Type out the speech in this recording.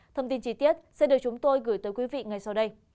thông tin chi tiết sẽ được chúng tôi gửi tới quý vị ngay sau đây